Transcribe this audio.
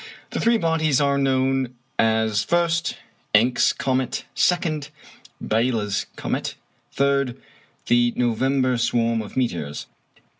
The three bodies are known as, first, Encke's comet; second, Biela's comet; third, the November swarm of meteors.